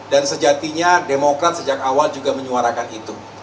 dan sejatinya demokrat sejak awal juga menyuarakan itu